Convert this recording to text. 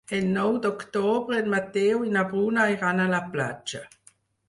El nou d'octubre en Mateu i na Bruna iran a la platja.